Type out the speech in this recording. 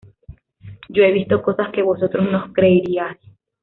Yo he visto cosas que vosotros no creeríais